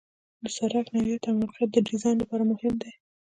د سرک نوعیت او موقعیت د ډیزاین لپاره مهم دي